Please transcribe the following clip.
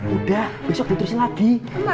udah besok diturusin lagi